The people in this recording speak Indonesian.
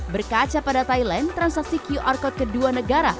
berkaca pada thailand transaksi qr code kedua negara